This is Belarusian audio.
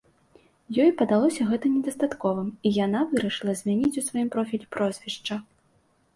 Ёй падалося гэта недастатковым, і яна вырашыла змяніць у сваім профілі прозвішча.